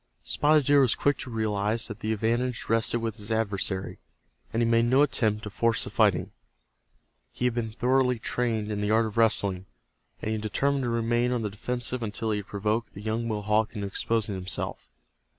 Spotted Deer was quick to realize that the advantage rested with his adversary, and he made no attempt to force the fighting. He had been thoroughly trained in the art of wrestling, and he determined to remain on the defensive until he had provoked the young Mohawk into exposing himself.